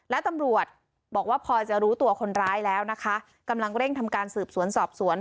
และตำรวจบอกว่าพอจะรู้ตัวคนร้ายแล้วนะคะกำลังเร่งทำการสืบสวนสอบสวน